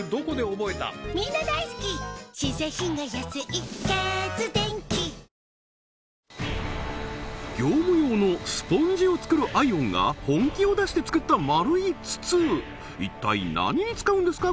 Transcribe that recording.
実はこれです出てきたのは何やら業務用のスポンジを作るアイオンが本気を出して作った丸い筒一体何に使うんですか？